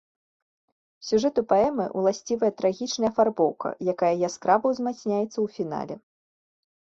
Сюжэту паэмы ўласцівая трагічная афарбоўка, якая яскрава ўзмацняецца ў фінале.